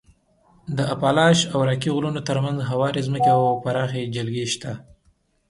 د اپالاش او راکي غرونو تر منځ هوارې ځمکې او پراخې جلګې شته.